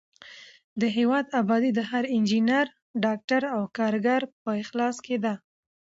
د هېواد ابادي د هر انجینر، ډاکټر او کارګر په اخلاص کې ده.